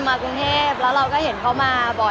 มันเป็นเรื่องน่ารักที่เวลาเจอกันเราต้องแซวอะไรอย่างเงี้ย